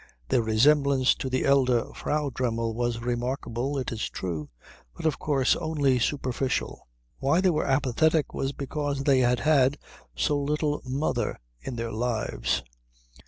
Their resemblance to the elder Frau Dremmel was remarkable, it is true, but of course only superficial. Why they were apathetic was because they had had so little mother in their lives.